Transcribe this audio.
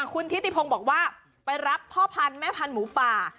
คุณทิติพงศ์บอกว่าไปรับพ่อพันธุ์แม่พันธุ์หมูป่า